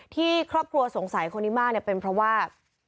ที่ครอบครัวสงสัยคนนี้มากเนี่ยเป็นเพราะว่า